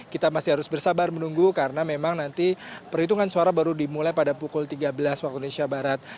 kita masih harus bersabar menunggu karena memang nanti perhitungan suara baru dimulai pada pukul tiga belas waktu indonesia barat